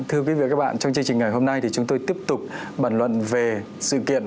thưa quý vị và các bạn trong chương trình ngày hôm nay thì chúng tôi tiếp tục bản luận về sự kiện